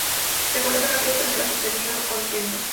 Se coloca en la parte trasera sostenido con tientos.